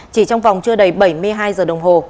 chỉ trong vòng chưa đầy bảy mươi hai giờ đồng hồ